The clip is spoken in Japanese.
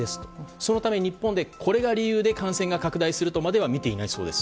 そのため、日本でこれが理由で感染が拡大するとまではみていないそうです。